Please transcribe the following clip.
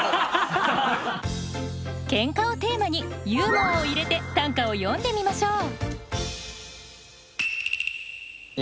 「ケンカ」をテーマにユーモアを入れて短歌を詠んでみましょう。